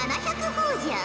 ほぉじゃ。